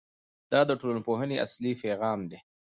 دا د ټولنپوهنې اصلي پیغام دی.